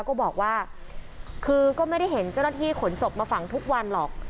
ก็บอกว่าคือก็ไม่ได้เห็นเจ้าหน้าที่ขนศพมาฝังทุกวันหรอก